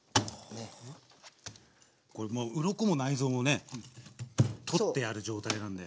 これもううろこも内臓もね取ってある状態なんで。